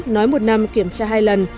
nói một năm kiểm tra hai lần